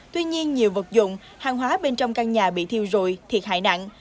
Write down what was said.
tuy nhiên nhiều vật dụng hàng hóa bên trong căn nhà bị thiêu rụi thiệt hại nặng